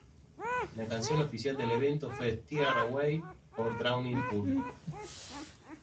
La canción oficial del evento fue "Tear Away" por Drowning Pool.